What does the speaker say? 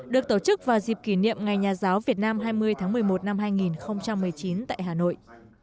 được tổ chức vào dịp kỷ niệm ngày nhà giáo việt nam hai mươi tháng một mươi một năm hai nghìn một mươi chín tại hà nội